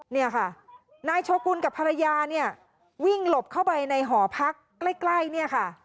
เนี่ยค่ะนายโชกุลกับภรรยาเนี่ยวิ่งหลบเข้าไปในหอพักใกล้ใกล้เนี่ยค่ะ